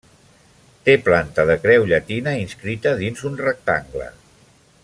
Té planta de creu llatina inscrita dins un rectangle.